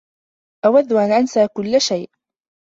أودّ أن أنسى كلّ شيء.